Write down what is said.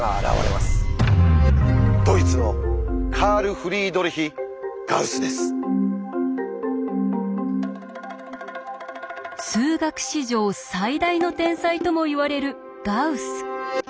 ドイツの数学史上最大の天才ともいわれるガウス。